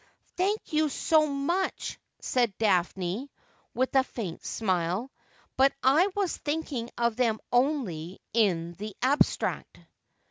' Thank you so much,' said Daphne, with a faint smile, ' but I was thinking of them only in the abstract.'